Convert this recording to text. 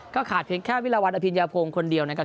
ขาดเพียงแค่วิลาวันอภิญญาพงศ์คนเดียวนะครับ